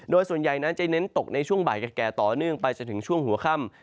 โดยส่วนใหญ่นั้นจะเน้นตกในช่วงบ่ายแก่ต่อเนื่องไปจนถึงช่วงหัวค่ำ